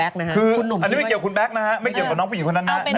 อันนี้ไม่เกี่ยวกับคุณแบ็คนะฮะไม่เกี่ยวกับน้องผู้หญิงคนนั้นนะ